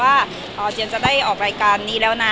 เจียนจะได้ออกรายการนี้แล้วนะ